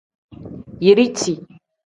Yiriti.